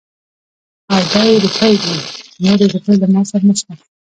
او دا يې روپۍ دي. نورې روپۍ له ما سره نشته.